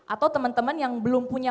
atau teman teman yang belum punya